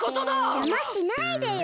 じゃましないでよ！